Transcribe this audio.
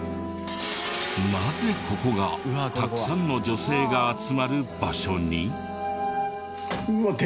なぜここがたくさんの女性が集まる場所に？